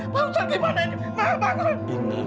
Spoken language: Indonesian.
ma'am bangun ma'am